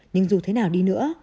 nhưng dù thế nào đi nữa